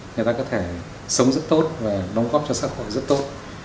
người ta có thể sống rất tốt và đóng góp cho xã hội rất tốt